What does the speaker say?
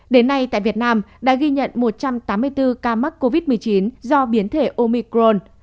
đến nay tại việt nam đã ghi nhận một trăm tám mươi bốn ca mắc covid một mươi chín do biến thể omicron